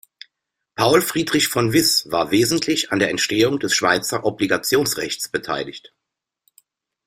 Paul Friedrich von Wyss war wesentlich an der Entstehung des Schweizer Obligationenrechts beteiligt.